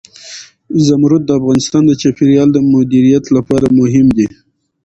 زمرد د افغانستان د چاپیریال د مدیریت لپاره مهم دي.